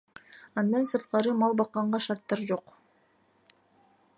Андан сырткары мал бакканга шарттар жок.